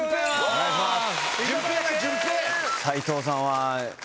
お願いします。